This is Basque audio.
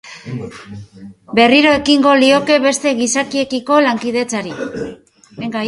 Berriro ekingo lioke beste gizakiekiko lankidetzari.